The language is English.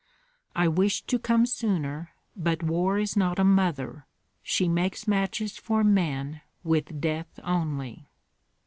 I wished to come sooner, but war is not a mother: she makes matches for men with death only."